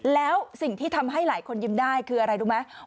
แล้วสิ่งที่ทำให้หลายคนยิ้มได้คืออะไรรู้ไหม